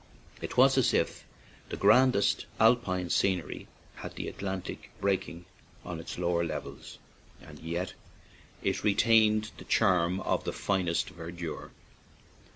It was as if the grandest Alpine scenery had the Atlantic breaking on its lower levels, and yet it retained the charm of the finest verdure.